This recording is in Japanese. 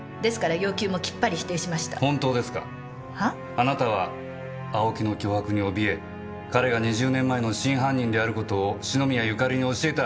あなたは青木の脅迫に怯え彼が２０年前の真犯人である事を篠宮ゆかりに教えた。